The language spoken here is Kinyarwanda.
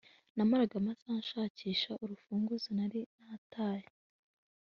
namaraga amasaha nshakisha urufunguzo nari nataye